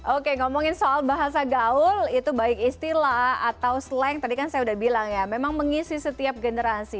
oke ngomongin soal bahasa gaul itu baik istilah atau slang tadi kan saya udah bilang ya memang mengisi setiap generasi